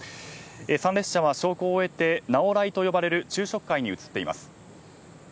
参列者は焼香を終えてなおらいと呼ばれる昼食会に移っています。